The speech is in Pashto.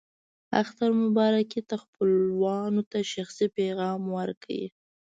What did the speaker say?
اختر مبارکي ته خپلوانو ته شخصي پیغام ورکړئ.